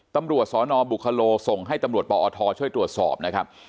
ตำรวจสนบุคโลส่งให้ตำรวจปอทช่วยตรวจสอบนะครับ